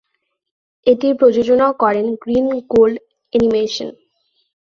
এটির প্রযোজনা করেন গ্রীন গোল্ড এনিমেশন।